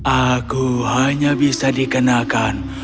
aku hanya bisa dikenakan